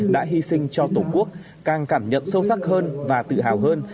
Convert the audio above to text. đã hy sinh cho tổ quốc càng cảm nhận sâu sắc hơn và tự hào hơn